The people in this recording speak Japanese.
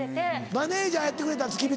マネジャーやってくれた付き人。